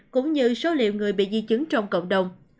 cũng như số liệu người bị di chứng trong cộng đồng